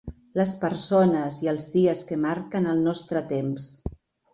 Les persones i els dies que marquen el nostre temps.